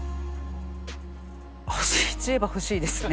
欲しいっていえば欲しいですね。